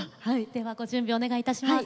ではご準備をお願いいたします。